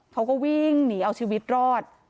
เขาก็วิ่งหนีเอาชีวิตรอด